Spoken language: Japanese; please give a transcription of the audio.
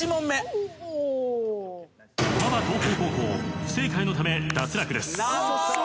駒場東邦高校不正解のため脱落です。